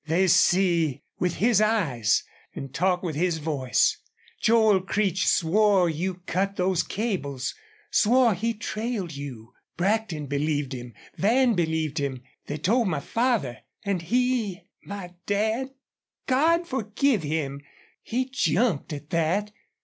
They see with his eyes and talk with his voice. Joel Creech swore you cut those cables. Swore he trailed you. Brackton believed him. Van believed him. They told my father. And he my dad God forgive him! he jumped at that.